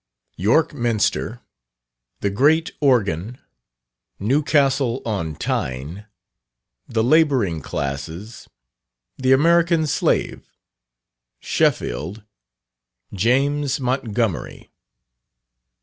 _York Minster The Great Organ Newcastle on Tyne The Labouring Classes The American Slave Sheffield James Montgomery.